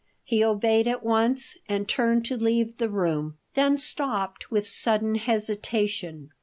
He obeyed at once and turned to leave the room; then stopped with sudden hesitation.